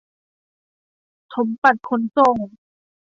ถมปัดขนส่ง